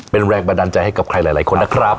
เป็นแรงบันดาลใจให้กับใครหลายคนนะครับ